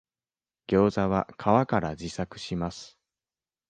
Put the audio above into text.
ギョウザは皮から自作します